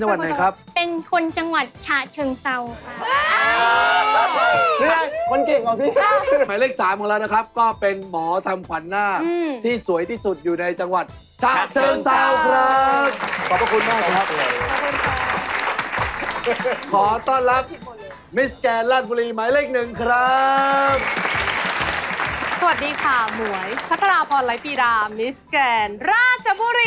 ยาก่อนนะคนราชบุรี่นี้ตัดเด็ด